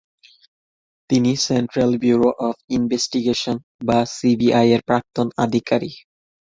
তিনি central bureau of investigation বা C B I এর প্রাক্তন আধিকারিক।